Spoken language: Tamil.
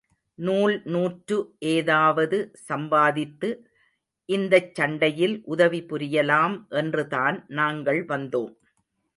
நூல் நூற்று ஏதாவது சம்பாதித்து, இந்தச் சண்டையில் உதவி புரியலாம் என்றுதான் நாங்கள் வந்தோம்.